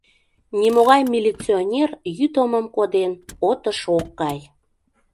Нимогай милиционер, йӱд омым коден, отыш ок кай.